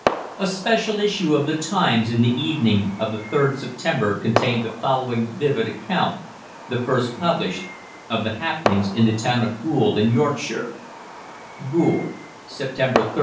A special issue of the "Times" in the evening of the 3rd September contained the following vivid account the first published of the happenings in the town of Goole, in Yorkshire: "GOOLE, September 3.